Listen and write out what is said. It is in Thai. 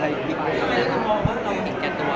อะไรอีกนิดนึง